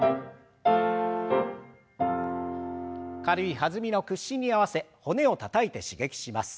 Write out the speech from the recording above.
軽い弾みの屈伸に合わせ骨をたたいて刺激します。